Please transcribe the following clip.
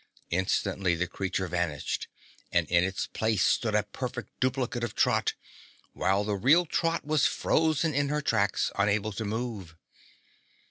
Instantly the creature vanished and in its place stood a perfect duplicate of Trot, while the real Trot was frozen in her tracks, unable to move.